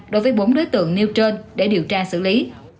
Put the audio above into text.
đối với bốn đối tượng nêu trên để điều tra xử lý